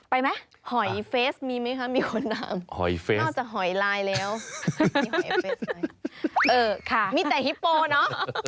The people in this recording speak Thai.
ไปไหมหอยเฟสมีไหมคะมีคนถามนอกจากหอยลายแล้วมีหอยเฟสไหมเออค่ะมีแต่ฮิปโปเนอะ